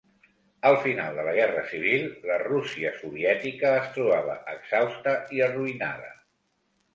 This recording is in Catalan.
Al final de la Guerra Civil, la Rússia Soviètica es trobava exhausta i arruïnada.